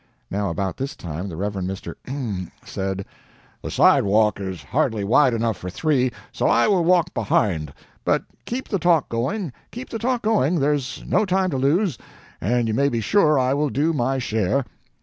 Now about this time the Rev. Mr. said: "The sidewalk is hardly wide enough for three, so I will walk behind; but keep the talk going, keep the talk going, there's no time to lose, and you may be sure I will do my share."